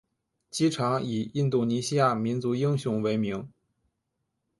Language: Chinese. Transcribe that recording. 机场以印度尼西亚民族英雄为名。